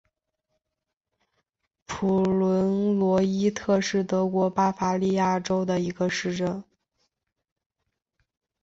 普伦罗伊特是德国巴伐利亚州的一个市镇。